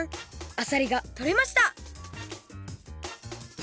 あさりがとれました！